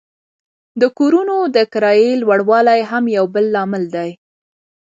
د کورونو د کرایې لوړوالی هم یو بل لامل دی